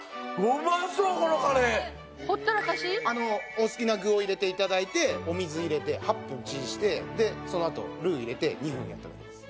お好きな具を入れて頂いてお水入れて８分チンしてそのあとルー入れて２分やっただけです。